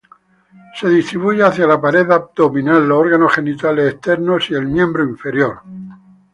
Se distribuye hacia la pared abdominal, los órganos genitales externos y el miembro inferior.